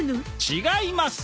違います！